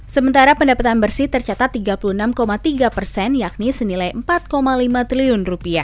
sementara pendapatan bersih tercatat rp tiga puluh enam tiga persen yakni senilai rp empat lima triliun